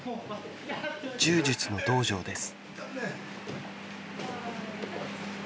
柔術の道場です。